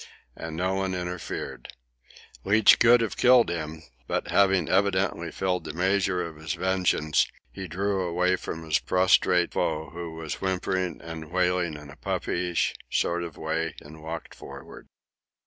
And no one interfered. Leach could have killed him, but, having evidently filled the measure of his vengeance, he drew away from his prostrate foe, who was whimpering and wailing in a puppyish sort of way, and walked forward.